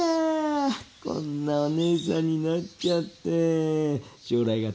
こんなお姉さんになっちゃって将来が楽しみ。